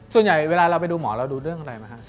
ส่วนใหญ่เวลาเราไปดูหมอเราดูเรื่องอะไรไหมฮะ